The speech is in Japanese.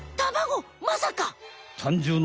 まさか！